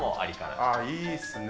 いいっすね。